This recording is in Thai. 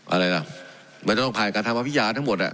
อะไรล่ะมันจะต้องผ่านการทำอภิญาทั้งหมดอ่ะ